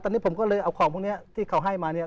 ตอนนี้ผมก็เลยเอาของพวกนี้ที่เขาให้มาเนี่ย